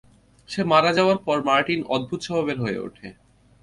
সে মারা যাওয়ার পর মার্টিন অদ্ভুত স্বভাবের হয়ে উঠে।